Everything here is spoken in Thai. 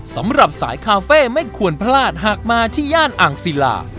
สำหรับสายคาเฟ่ไม่ควรพลาดหากมาที่ย่านอ่างศิลา